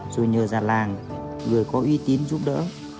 rồi nhờ già làng người có uy tín giúp đỡ